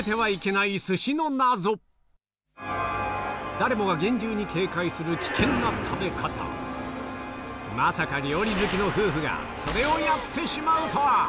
誰もが厳重に警戒するまさか料理好きの夫婦がそれをやってしまうとは！